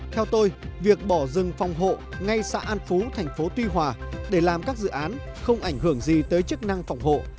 theo tôi việc bỏ rừng phòng hộ ngay xã an phú thành phố tuy hòa để làm các dự án không ảnh hưởng gì tới chức năng phòng hộ